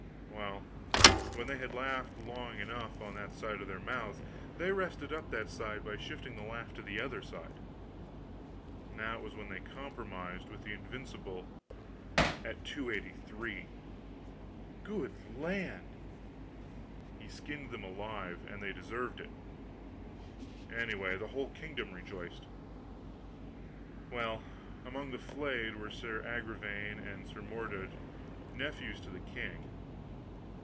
Well, when they had laughed long enough on that side of their mouths, they rested up that side by shifting the laugh to the other side. That was when they compromised with the Invincible at 283!" "Good land!" "He skinned them alive, and they deserved it anyway, the whole kingdom rejoiced. Well, among the flayed were Sir Agravaine and Sir Mordred, nephews to the king.